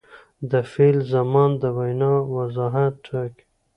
د فعل زمان د وینا وضاحت ټاکي.